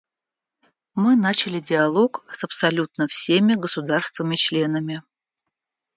Мы начали диалог с абсолютно всеми государствами-членами.